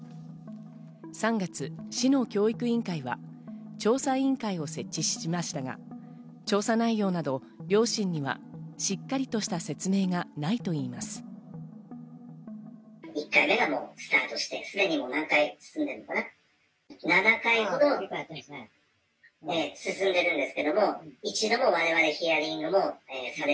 ３月、市の教育委員会は、調査委員会を設置しましたが、調査内容などを両親にはしっかりとした説明はないといいます。